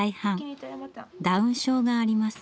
ダウン症があります。